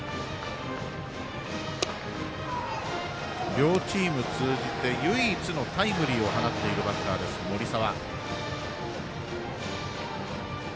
両チーム通じて唯一のタイムリーを放っているバッター、森澤。